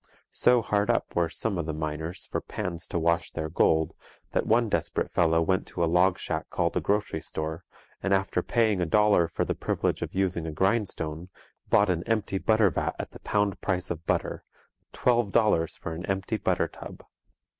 So hard up were some of the miners for pans to wash their gold, that one desperate fellow went to a log shack called a grocery store, and after paying a dollar for the privilege of using a grindstone, bought an empty butter vat at the pound price of butter twelve dollars for an empty butter tub!